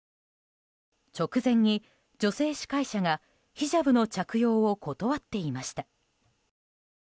直前に女性司会者がヒジャブの着用を断っていました。